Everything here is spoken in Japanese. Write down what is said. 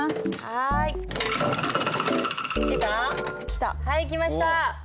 はい来ました。